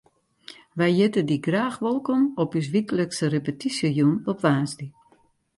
Wy hjitte dy graach wolkom op ús wyklikse repetysjejûn op woansdei.